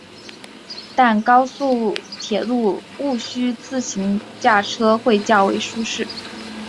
但高速铁路毋须自行驾车会较为舒适。